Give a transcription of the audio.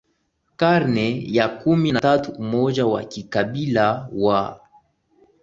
karne ya kumi na tatu Umoja wa kikabila wa